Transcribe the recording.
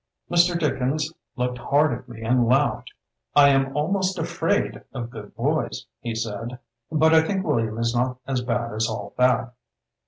Mr. Dickens looked hard at me and laughed. 'I am almost afraid of good boys', he said, 'but I think William is not so bad as all that.'